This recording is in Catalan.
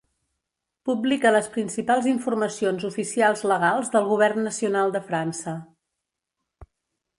Publica les principals informacions oficials legals del govern nacional de França.